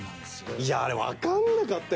いやあれわかんなかったよ